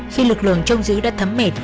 khi lực lượng trông giữ đã thấm mệt